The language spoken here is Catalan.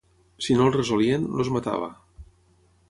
Si no el resolien, els matava.